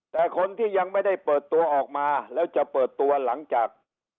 แต่คนที่ยังไม่ได้เปิดตัวออกมาแล้วจะเปิดตัวหลังจาก